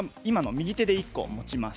利き手で１個持ちます。